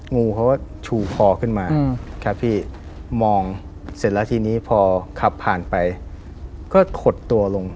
งูเขาก็ชูคอขึ้นมาครับพี่มองเสร็จแล้วทีนี้พอขับผ่านไปก็ขดตัวลง